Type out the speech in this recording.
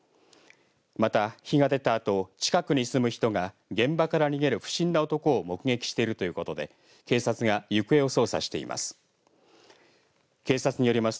また、火が出たあと近くに住む人が現場から逃げる不審な男を目撃しているということで警察が行方を捜査しています。